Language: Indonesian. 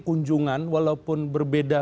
kunjungan walaupun berbeda